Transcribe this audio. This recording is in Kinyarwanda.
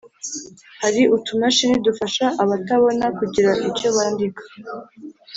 Hari utumashini dufasha abatabona kugira icyo bandika